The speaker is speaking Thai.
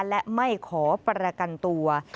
และไม่ขอประกันตัว